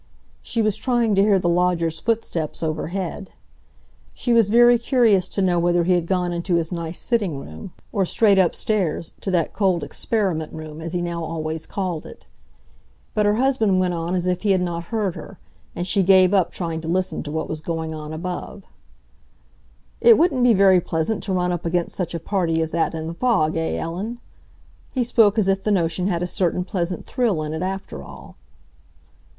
She was trying to hear the lodger's footsteps overhead. She was very curious to know whether he had gone into his nice sitting room, or straight upstairs, to that cold experiment room, as he now always called it. But her husband went on as if he had not heard her, and she gave up trying to listen to what was going on above. "It wouldn't be very pleasant to run up against such a party as that in the fog, eh, Ellen?" He spoke as if the notion had a certain pleasant thrill in it after all.